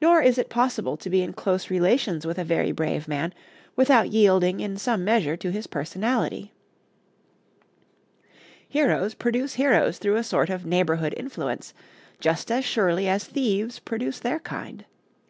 Nor is it possible to be in close relations with a very brave man without yielding in some measure to his personality; heroes produce heroes through a sort of neighborhood influence, just as surely as thieves produce their kind.